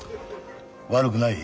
悪くない。